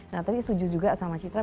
nah tadi setuju juga sama citra